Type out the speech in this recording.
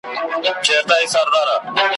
چا په ښار کي یو طبیب وو ورښودلی `